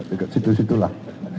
dekat situ situ lah